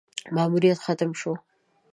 ماموریت ختم شو: